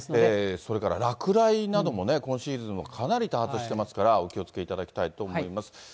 それから落雷なども、今シーズンもかなり多発してますから、お気をつけいただきたいと思います。